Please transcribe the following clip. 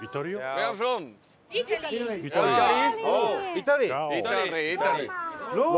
イタリー？